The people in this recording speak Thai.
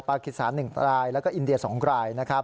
ปาคิสา๑รายแล้วก็อินเดีย๒ราย